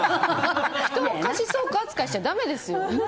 人を貸し倉庫扱いしちゃダメですよ。